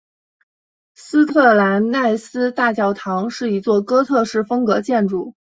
斯特兰奈斯大教堂是一座哥特式风格建筑。